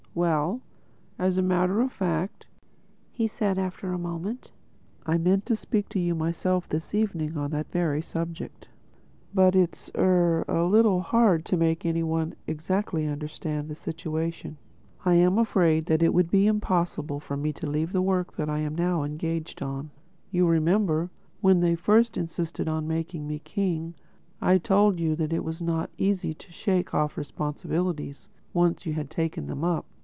"Well, as a matter of fact," said he after a moment, "I meant to speak to you myself this evening on that very subject. But it's—er—a little hard to make any one exactly understand the situation. I am afraid that it would be impossible for me to leave the work I am now engaged on.... You remember, when they first insisted on making me king, I told you it was not easy to shake off responsibilities, once you had taken them up.